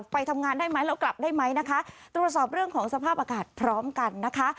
ไปทำงานได้ไหมเรากลับได้ไหมนะคะตรวจสอบเรื่องของสภาพอากาศพร้อมกันนะคะ